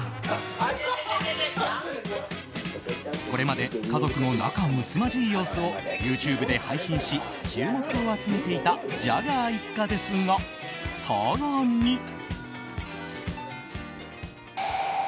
これまで家族の仲むつまじい様子をＹｏｕＴｕｂｅで配信し注目を集めていたジャガー一家ですが更に。